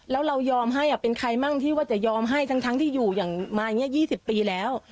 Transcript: แล้วเรายอมให้เป็นใครมั่งที่ว่าจะยอมให้ทั้งที่อยู่อย่างมาอย่างนี้๒๐ปีแล้ว